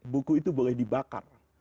buku itu boleh dibakar